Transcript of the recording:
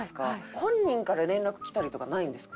本人から連絡きたりとかないんですか？